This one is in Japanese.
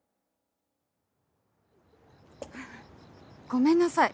ごめんなさい。